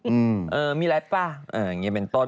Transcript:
อืมเออมีอะไรป่ะเอออย่างเงี้เป็นต้น